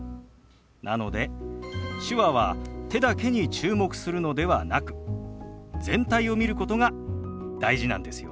なので手話は手だけに注目するのではなく全体を見ることが大事なんですよ。